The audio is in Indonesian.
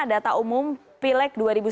data umum pileg dua ribu sembilan belas